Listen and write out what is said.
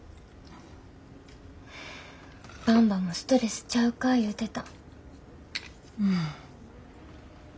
ばんばもストレスちゃうか言うてた。